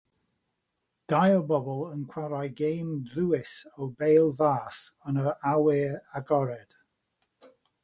Dau o bobl yn chwarae gêm ddwys o bêl fas yn yr awyr agored.